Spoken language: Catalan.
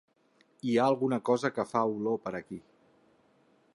Hi ha alguna cosa que fa olor per aquí.